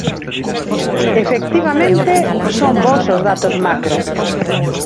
Efectivamente, son bos os datos macro.